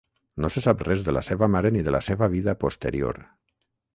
No se sap res de la seva mare ni de la seva vida posterior.